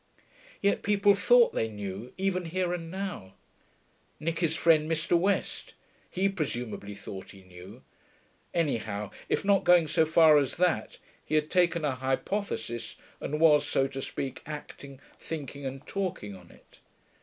Yet people thought they knew, even here and now. Nicky's friend, Mr. West; he, presumably, thought he knew; anyhow, if not going so far as that, he had taken a hypothesis and was, so to speak, acting, thinking, and talking on it.